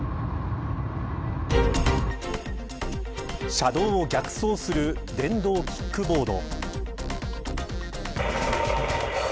車道を逆走する電動キックボード。